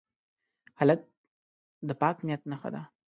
هلک د پاک نیت نښه ده.